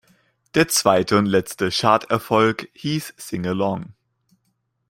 Der zweite und letzte Charterfolg hieß "Sing-a-Long".